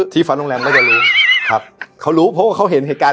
ฟันโรงแรมก็จะรู้ครับเขารู้เพราะว่าเขาเห็นเหตุการณ์